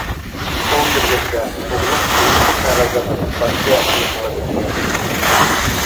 ئۇ كىرگەندە ئوغلۇم قولىدىكى قەغەزلەرنى تۇتقانچە ئۇيقۇغا كەتكەن ئىدى.